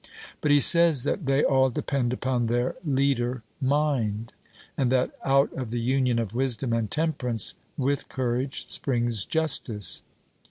But he says that they all depend upon their leader mind, and that, out of the union of wisdom and temperance with courage, springs justice.